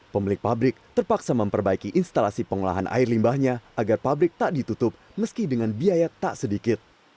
pemilik pabrik terpaksa memperbaiki instalasi pengolahan air limbahnya agar pabrik tak ditutup meski dengan biaya tak sedikit